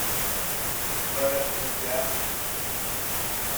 Va rap kan chiah.